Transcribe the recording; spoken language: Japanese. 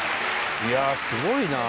いやあすごいな。